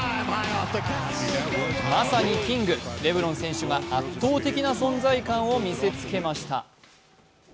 まさにキング、レブロン選手が圧倒的な存在感を見せつけました。